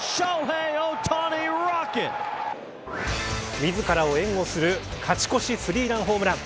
自らを援護する勝ち越しスリーランホームラン。